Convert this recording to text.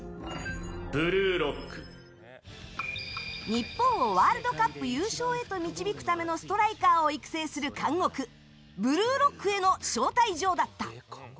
日本をワールドカップ優勝へと導くためのストライカーを育成する監獄ブルーロックへの招待状だった。